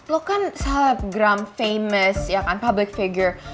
lo kan celebgram famous ya kan public figure